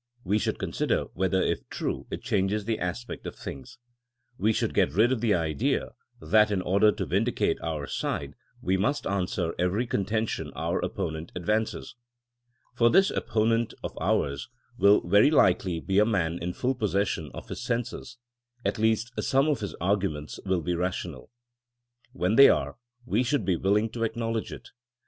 We should consider whether if true it changes the aspect of things^ We should get rid of the idea that in order to vindicate our side we must answer every contention our op ponent advances. For this opponent of ours will very likely be a man in full possession of his senses ; at least some of his arguments will be rational. When they are, we should be will ing to p,cknowledge it.